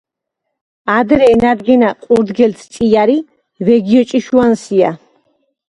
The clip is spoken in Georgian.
ადრე ენადგინა ჸურდგელც წიარი ვეგიოჭიშუანსია